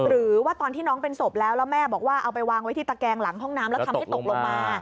หรือว่าตอนที่น้องเป็นศพแล้วแล้วแม่บอกว่าเอาไปวางไว้ที่ตะแกงหลังห้องน้ำแล้วทำให้ตกลงมา